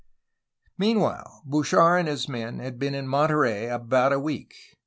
Meanwhile Bouchard and his men had been in Monterey about a week.